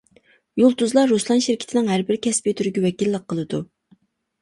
يۇلتۇزلار رۇسلان شىركىتىنىڭ ھەر بىر كەسپى تۈرىگە ۋەكىللىك قىلىدۇ.